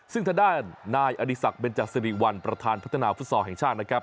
ซึ่งทางด้านนายอดีศักดิเบนจสิริวัลประธานพัฒนาฟุตซอลแห่งชาตินะครับ